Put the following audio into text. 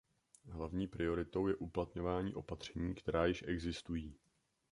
Hlavní prioritou je uplatňování opatření, která již existují.